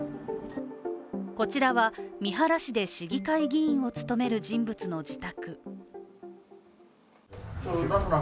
こちらは、三原市で市議会議員を務める人物の自宅。